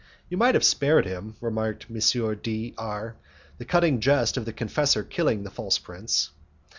"You might have spared him," remarked M. D R , "the cutting jest of the confessor killing the false prince."